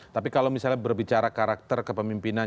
tapi kalau misalnya berbicara karakter kepemimpinan